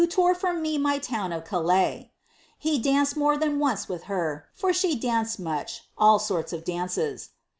lore from loe my town of Calais." He danced mare than once v(i(h her, for the danced much — all sorts of dunr«s.